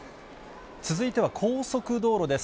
続いては高速道路です。